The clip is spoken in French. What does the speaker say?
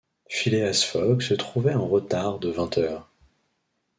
Phileas Fogg se trouvait en retard de vingt heures.